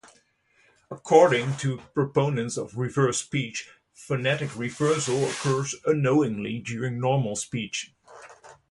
According to proponents of reverse speech, phonetic reversal occurs unknowingly during normal speech.